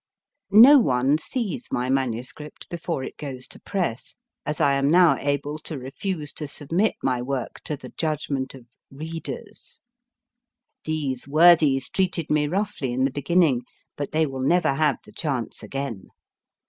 No one sees my manu script before it goes to press, as I am now able to refuse to 216 M* FIRST BOOK submit my work to the judgment of readers. These worthies treated me roughly in the beginning, but they will never have the chance again.